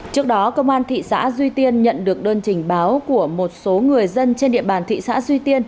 trước đó công an thị xã duy tiên nhận được đơn trình báo của một số người dân trên địa bàn thị xã duy tiên